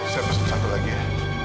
saya masuk satu lagi ya